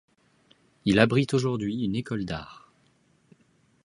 Il abrite aujourd’hui une école d’art.